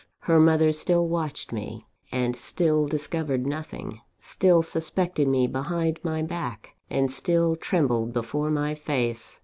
Her mother still watched me, and still discovered nothing; still suspected me behind my back, and still trembled before my face.